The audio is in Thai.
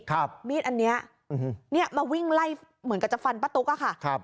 มีดอันเนี้ยเนี้ยมาวิ่งไล่เหมือนกับจะฟันป้าตุ๊กอะค่ะครับ